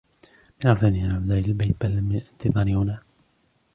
من الأفضل أن نعود إلى البيت بدلا من الانتظار هنا.